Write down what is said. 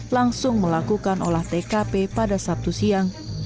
langsung melakukan olah tkp pada sabtu siang